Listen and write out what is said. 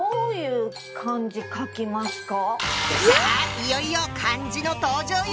いよいよ漢字の登場よ！